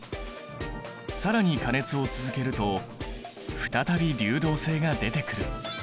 更に加熱を続けると再び流動性が出てくる。